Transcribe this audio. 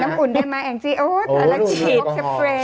เต็มน้ำอุ่นได้ไหมแองซี่อู๊ดอัลลักษณ์ชีดอากาศ